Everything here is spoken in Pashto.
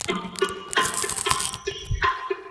آیا له نورو څخه په سمه توګه مرسته اخیستل ګټور دي؟